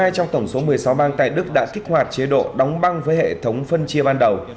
một mươi trong tổng số một mươi sáu bang tại đức đã kích hoạt chế độ đóng băng với hệ thống phân chia ban đầu